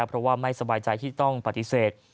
เพราะว่าไม่สบายใจที่ต้องปฏิเสธ